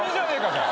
じゃあ！